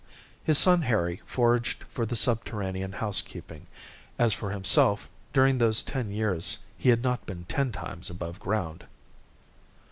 His son Harry foraged for the subterranean housekeeping; as for himself, during those ten years he had not been ten times above ground.